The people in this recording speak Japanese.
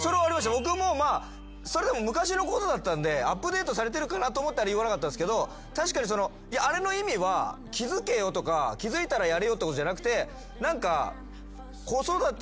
僕でも昔のことだったんでアップデートされてるかなと思って言わなかったんすけど確かにあれの意味は「気付けよ」とか「気付いたらやれよ」ってことじゃなくて何か。